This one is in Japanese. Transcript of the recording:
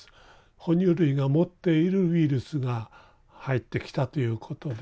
哺乳類が持っているウイルスが入ってきたということで。